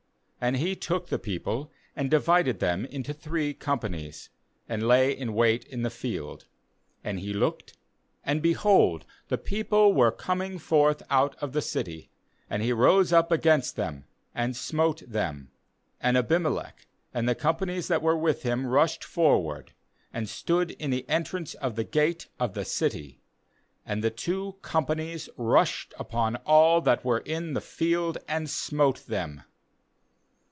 ^And he took the people, and divided them into three companies, and lay in wait in the field; and he looked, and, behold, the people were coming forth out of the city; and he rose up against them, and smote them. ^And Abim elech, and the companies that were with him, rushed forward, and stood in the entrance of the gate of the city; and the two companies rushed upon all that were in the field, and smote them.